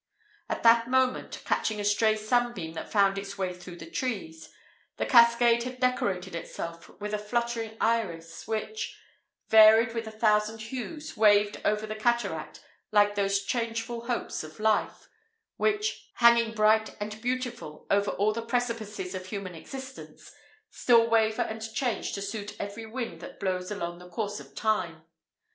At that moment, catching a stray sunbeam that found its way through the trees, the cascade had decorated itself with a fluttering iris, which, varied with a thousand hues, waved over the cataract like those changeful hopes of life, which, hanging bright and beautiful over all the precipices of human existence, still waver and change to suit every wind that blows along the course of time.